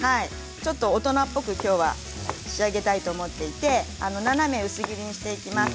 大人っぽく今日は仕上げたいと思っていて斜め薄切りにしていきます。